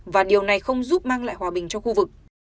và điều này không giúp mang lại hòa bình cho khu vực